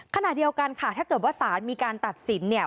ขณะเดียวกันค่ะถ้าเกิดว่าสารมีการตัดสินเนี่ย